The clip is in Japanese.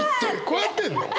こうやってんの？